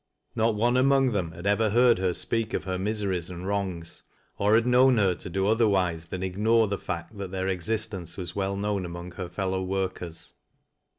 Not one among them had ever heard her speak of her miseries and wrongs, or had known her tc do otherwise than ignore the fact that their existence was well known among her fellow workers.